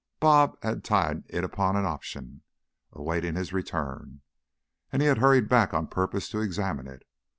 "Bob" had tied it upon an option, awaiting his return, and he had hurried back on purpose to examine it.